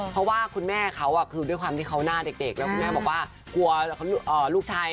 เพราะว่าคุณแม่เขาคือด้วยความที่เขาหน้าเด็กแล้วคุณแม่บอกว่ากลัวลูกชาย